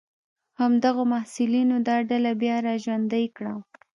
همدغو محصلینو دا ډله بیا را ژوندۍ کړه.